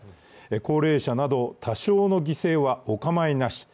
高齢者など多少の犠牲はお構いなし。